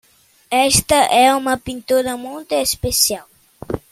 Esta é uma pintura muito especial